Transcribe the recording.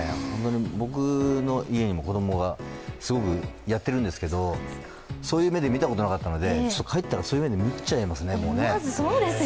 僕の家でも子供がすごくやってるんですけどそういう目で見たことなかったので帰ったらそういう目で見ちゃいますね。